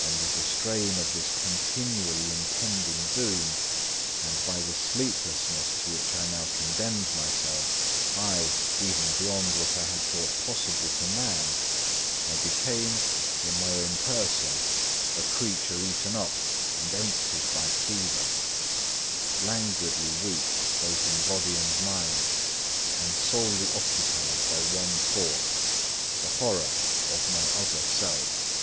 Under the strain of this continually impending doom and by the sleeplessness to which I now condemned myself, ay, even beyond what I had thought possible to man, I became, in my own person, a creature eaten up and emptied by fever, languidly weak both in body and mind, and solely occupied by one thought: the horror of my other self.